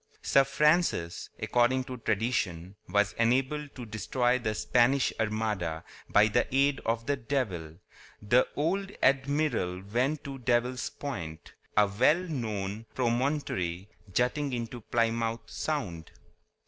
Sir Francis, according to tradition, was enabled to destroy the Spanish Armada by the aid of the devil. The old admiral went to Devil's Point, a well known promontory jutting into Plymouth Sound.